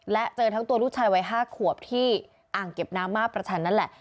และเจอทั้งตัวลูกชายวัย๕ขวบที่อ่างเก็บน้ำมาประชันนั่นแหละ